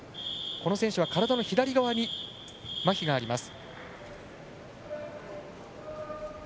この選手は体の左側にまひがあります。